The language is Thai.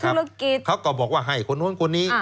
ธุรกิจเขาก็บอกว่าให้คนนู้นคนนี้